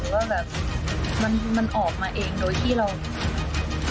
หรือว่ามันออกมาเองโดยที่เรา